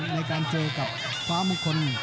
ในการเจอกับฟ้ามงคล